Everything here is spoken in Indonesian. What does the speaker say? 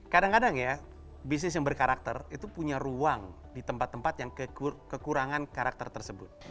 kadang kadang ya bisnis yang berkarakter itu punya ruang di tempat tempat yang kekurangan karakter tersebut